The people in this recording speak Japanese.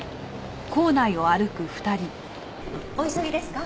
お急ぎですか？